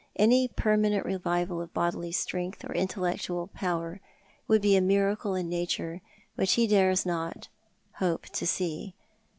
Any permanent revival of bodily strength or intellectual power would be a miracle in nature which he dares not hope to see.